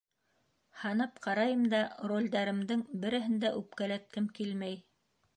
Һанап ҡарайым да, ролдәремдең береһен дә үпкәләткем килмәй.